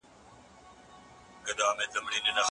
ګاونډی هیواد بهرنی سیاست نه بدلوي.